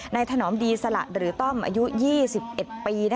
ถนอมดีสละหรือต้อมอายุ๒๑ปี